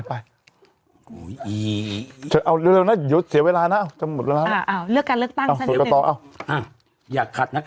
ว่าจะเป็นผู้รักมากดีในการจัดรายการแล้ว